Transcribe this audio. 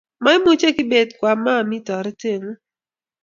maimuchi kibet koomami toretengung